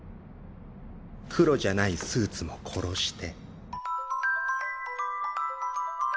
黒じゃないスーツも殺して。